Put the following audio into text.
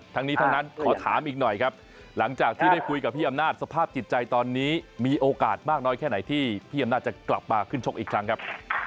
ทั้งนี้ทั้งนั้นขอถามอีกหน่อยครับหลังจากที่ได้คุยกับพี่อำนาจสภาพจิตใจตอนนี้มีโอกาสมากน้อยแค่ไหนที่พี่อำนาจจะกลับมาขึ้นชกอีกครั้งครับ